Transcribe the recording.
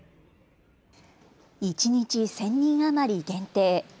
一日１０００人余り限定。